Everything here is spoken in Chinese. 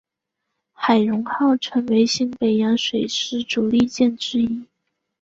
海容号成为新北洋水师主力舰之一。